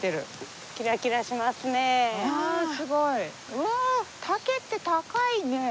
うわ竹って高いね。